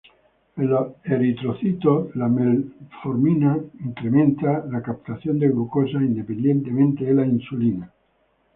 En los eritrocitos, la metformina incrementa la captación de glucosa independientemente de la insulina.